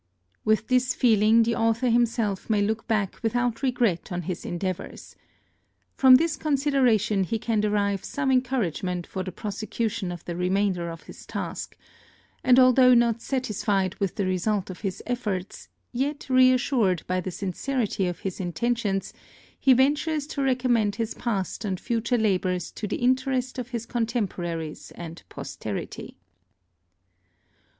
With this feeling the author himself may look back without regret on his endeavours. From this consideration he can derive some encouragement for the prosecution of the remainder of his task; and although not satisfied with the result of his efforts, yet re assured by the sincerity of his intentions, he ventures to recommend his past and future labours to the interest of his contemporaries and posterity.